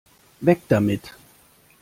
Weg damit!